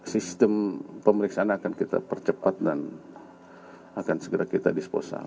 sistem pemeriksaan akan kita percepat dan akan segera kita disposal